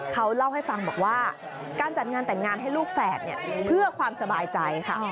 เขาเล่าให้ฟังบอกว่าการจัดงานแต่งงานให้ลูกแฝดเนี่ยเพื่อความสบายใจค่ะ